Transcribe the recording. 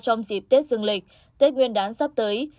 trong dịp tết dương lịch tết nguyên đán sắp tới